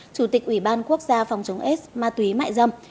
chủ tịch ủy ban quốc gia phòng chống s ma túy mại dâm